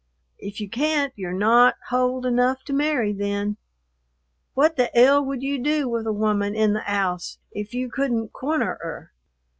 "If you can't, you're not hold enough to marry then. What the 'ell would you do with a woman in the 'ouse if you couldn't corner 'er?